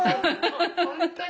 本当に。